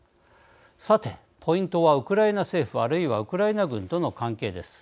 さてポイントはウクライナ政府あるいはウクライナ軍との関係です。